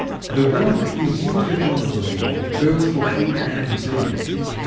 The whelk is used economically, both for food and bait.